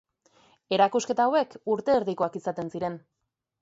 Erakusketa hauek urte erdikoak izaten ziren.